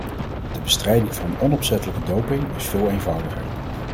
De bestrijding van onopzettelijke doping is veel eenvoudiger.